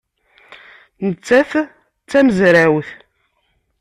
Nettat d tamezrawt.